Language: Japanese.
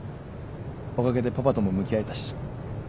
おかげでパパとも向き合えたし。